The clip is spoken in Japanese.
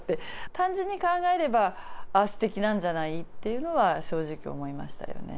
単純に考えれば、あっ、すてきなんじゃない？っていうのは、正直思いましたよね。